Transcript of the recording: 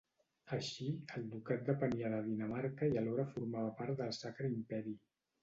Així, el ducat depenia de Dinamarca i alhora formava part del Sacre Imperi.